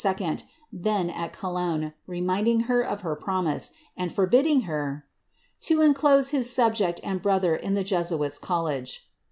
llien at Cologne, remindinsr her of her promise, and forbidding hrr *'to enclose his subject ap.d brother in the Jesuits' College."